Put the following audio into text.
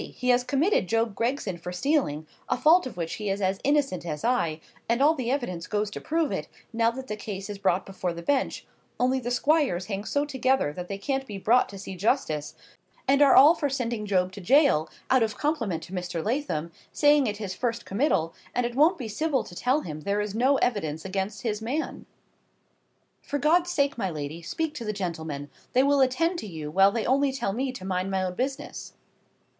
he has committed Job Gregson for stealing—a fault of which he is as innocent as I—and all the evidence goes to prove it, now that the case is brought before the Bench; only the Squires hang so together that they can't be brought to see justice, and are all for sending Job to gaol, out of compliment to Mr. Lathom, saying it his first committal, and it won't be civil to tell him there is no evidence against his man. For God's sake, my lady, speak to the gentlemen; they will attend to you, while they only tell me to mind my own business."